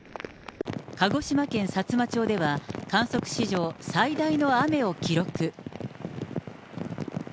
鹿児島県さつま町では、観測史上最大の雨を記録。